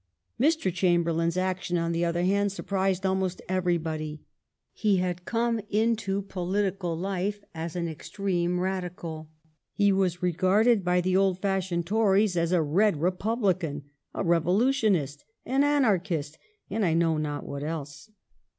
Mr. Chamberlain's action, on the other hand, surprised almost everybody. He had come into political life as an extreme Radical. He was regarded by the old fashioned Tories as a red republican, a revolutionist, an anarchist, and I know not what else.